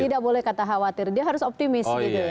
tidak boleh kata khawatir dia harus optimis